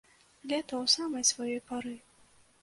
Лета ў самай сваёй пары.